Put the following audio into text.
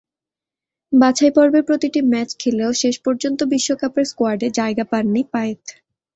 বাছাইপর্বের প্রতিটি ম্যাচ খেলেও শেষ পর্যন্ত বিশ্বকাপের স্কোয়াডে জায়গা পাননি পায়েত।